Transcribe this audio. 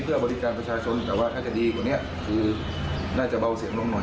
เพื่อบริการประชาชนแต่ว่าถ้าจะดีกว่านี้คือน่าจะเบาเสียงลงหน่อย